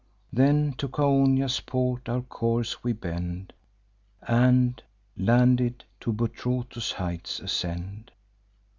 "Then to Chaonia's port our course we bend, And, landed, to Buthrotus' heights ascend.